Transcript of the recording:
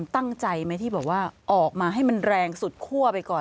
ตั้งใจไหมที่แบบว่าออกมาให้มันแรงสุดคั่วไปก่อน